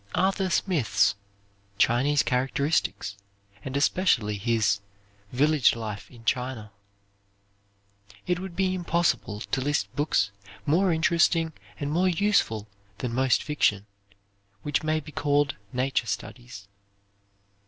Arthur Smith's "Chinese Characteristics," and especially his "Village Life in China." It would be impossible to list books more interesting and more useful than most fiction, which may be called Nature Studies.